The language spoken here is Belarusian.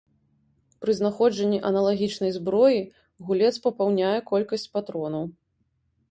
Пры знаходжанні аналагічнай зброі гулец папаўняе колькасць патронаў.